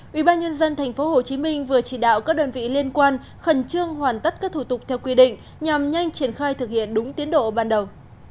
ủy ban nhân dân tp hcm vừa chỉ đạo các đơn vị liên quan khẩn trương hoàn tất các thủ tục theo quy định nhằm nhanh triển khai thực hiện đúng tiến độ ban đầu